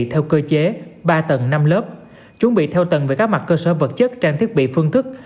theo cơ chế ba tầng năm lớp chuẩn bị theo tầng về các mặt cơ sở vật chất trang thiết bị phương thức